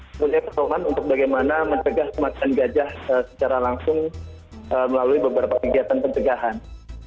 kemudian ada perolahan untuk bagaimana mencegah kematian gajah secara langsung melalui beberapa kegiatan pencegahan